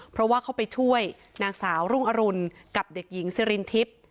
เพราะว่าเขาไปช่วยนางสาวรุ่งอรุณกับเด็กหญิงซิรินทิพย์